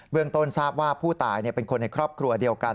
ต้นทราบว่าผู้ตายเป็นคนในครอบครัวเดียวกัน